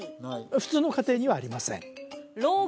普通の家庭にはありませんろう